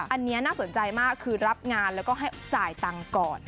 อันนี้น่าสนใจมากคือรับงานแล้วก็ให้จ่ายตังค์ก่อน